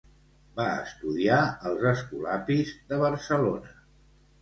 Va estudiar als Escolapis de Barcelona.